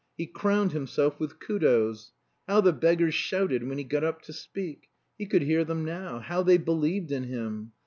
He crowned himself with kudos. How the beggars shouted when he got up to speak! He could hear them now. How they believed in him!